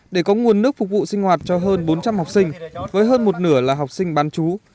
để có nguồn nước phục vụ sinh hoạt cho hơn bốn trăm linh học sinh với hơn một nửa là học sinh bán chú